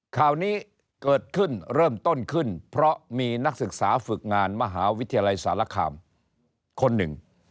ข่าวนี้เกิดขึ้นเริ่มต้นขึ้นเพราะมีนักศึกษาฝึกงานมหาวิทยาลัยสารคามคนหนึ่ง